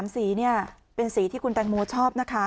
๓สีเป็นสีที่คุณต่างโมชอบ